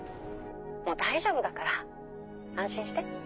もう大丈夫だから安心して。